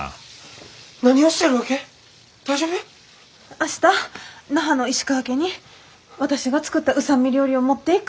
明日那覇の石川家に私が作った御三味料理を持っていく。